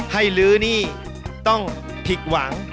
ให้ลื้อนี่ต้องผิกหวัง